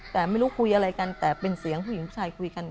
แต่ไม่รู้คุยอะไรกันแต่เป็นเสียงผู้หญิงผู้ชายคุยกัน